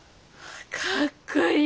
かっこいい！